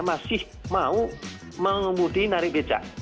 masih mau mengemudi narik becak gitu kan